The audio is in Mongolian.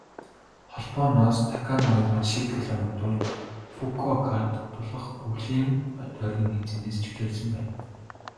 Холбооноос Таканоивад шийтгэл оногдуулж, Фүкүокад болох өвлийн тойргийн тэмцээнээс чөлөөлсөн байна.